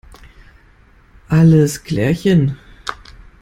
Alles klärchen!